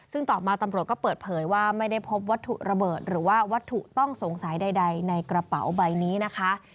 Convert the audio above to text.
ซึ่งต่อมาตำรวจก็เปิดเผยว่าไม่ได้พบวัตถุระเบิดหรือว่าวัตถุต้องสงสัยใดในกระเป๋าใบนี้นะคะ